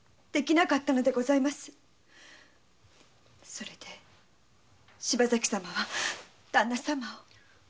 それで柴崎様は旦那様を。